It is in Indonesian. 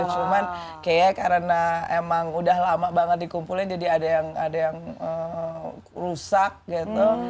cuman kayaknya karena emang udah lama banget dikumpulin jadi ada yang rusak gitu